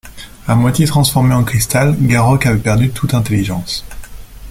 A moitié transformé en cristal, Garokk avait perdu toute intelligence.